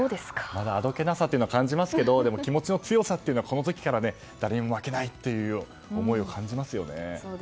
まだ、あどけなさというのを感じますけど気持ちの強さはこの時から誰にも負けないという思いを感じますね。